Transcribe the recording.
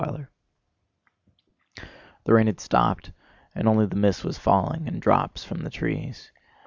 CHAPTER V The rain had stopped, and only the mist was falling and drops from the trees.